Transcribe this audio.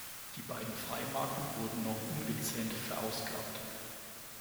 Die beiden Freimarken wurden noch ungezähnt verausgabt.